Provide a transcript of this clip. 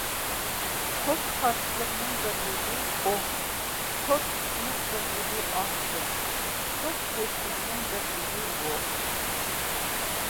توك قارشىلىقىنىڭ بىرلىكى ئوم، توك كۈچىنىڭ بىرلىك ئامپېر، توك بېسىمنىڭ بىلىكى ۋولت.